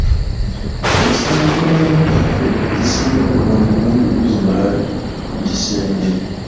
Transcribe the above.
Essaawa z‘obulamu bwaffe ezisinga obungi kumpi tuzimala mu kisenge.